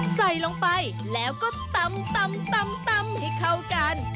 ใส่ลงไปแล้วก็ตำให้เข้ากัน